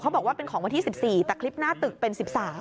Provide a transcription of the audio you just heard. บอกว่าเป็นของวันที่๑๔แต่คลิปหน้าตึกเป็น๑๓